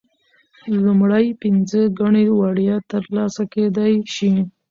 لومړۍ پنځه ګڼې وړیا ترلاسه کیدی شي.